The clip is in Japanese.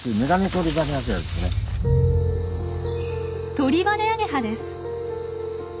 トリバネアゲハです！